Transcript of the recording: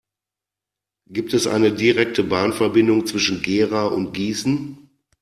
Gibt es eine direkte Bahnverbindung zwischen Gera und Gießen?